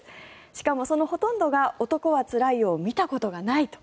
しかもそのほとんどが「男はつらいよ」を見たことがないと。